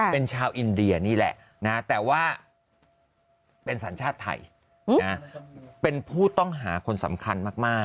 เป็นชาวอินเดียนี่แหละนะแต่ว่าเป็นสัญชาติไทยเป็นผู้ต้องหาคนสำคัญมาก